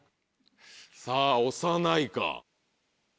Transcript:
さぁ押さないか？